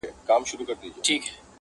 ما کتلی په ورغوي کي زما د ارمان پال دی,